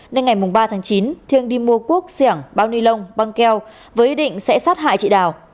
nên ngày ba tháng chín thiêng đi mua cuốc sẻng bao ni lông băng keo với ý định sẽ sát hại chị đào